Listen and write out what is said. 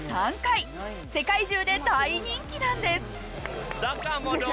世界中で大人気なんです。